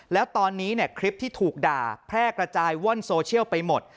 แล้วตอนนี้คลิปที่ถูกด่าแพร่กระจายว่อนโซเชียลไปหมด